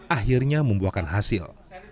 akhirnya membuahkan hasil